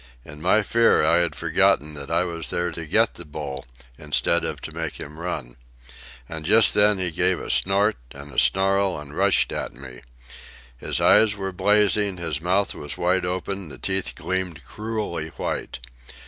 In my fear I had forgotten that I was there to get the bull instead of to make him run. And just then he gave a snort and a snarl and rushed at me. His eyes were blazing, his mouth was wide open; the teeth gleamed cruelly white.